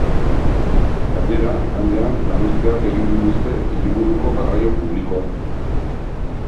Gainera, igandean lanuzteak egin dituzte hiriburuko garraio publikoan.